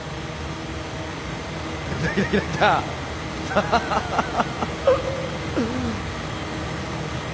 ハハハハハ。